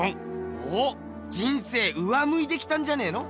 おっ人生上むいてきたんじゃねえの？